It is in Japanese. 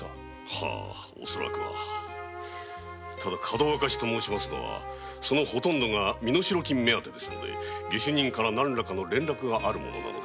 はぁ恐らくはただかどわかしと申しますのはそのほとんどが身代金目当てですので下手人から何らかの連絡があるものなのですが。